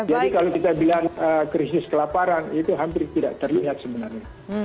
jadi kalau kita bilang krisis kelaparan itu hampir tidak terlihat sebenarnya